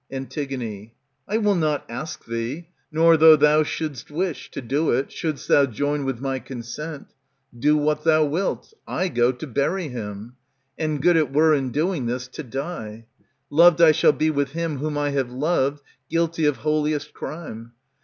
Afitig, I will not ask thee, nor though thou should'st wish To do it, should'st thou join with my consent. '^ Do what thou wilt, I go to bury him ; And good it were, in doing this, to die. Loved I shall be with him whom I have loved, Guilty of holiest crime.